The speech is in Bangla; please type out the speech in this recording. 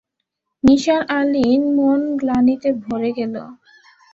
নিসার আলির মন গ্লানিতে ভরে গেল।